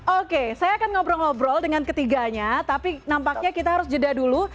oke saya akan ngobrol ngobrol dengan ketiganya tapi nampaknya kita harus jeda dulu